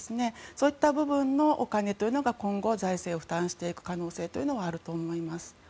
そういった部分のお金というのが今後財政を負担していくというのがあると思います。